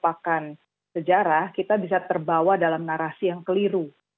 kalau kita lupakan sejarah kita bisa terbawa dalam narasi yang keliru